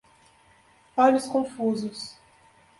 Olhos confusos